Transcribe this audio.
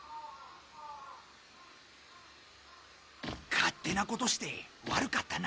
勝手なことして悪かったな。